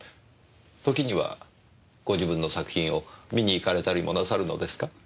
時にはご自分の作品を観に行かれたりもなさるのですか？